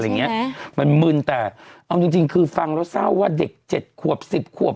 ทำไมมันเมื่นแต่แต่เอาจริงคือฟังแล้วทราบว่าเด็ก๗ควบ๑๐ควบ